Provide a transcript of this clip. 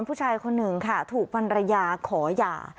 ผู้ชายคนหนึ่งค่ะถูกพันรยาขอหย่า